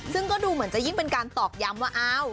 ซึ่งก็ดูเหมือนจะยิ่งเป็นการตอกย้ำว่าอ้าว